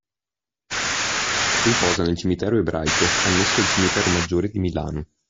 Riposa nel Cimitero Ebraico annesso al Cimitero Maggiore di Milano.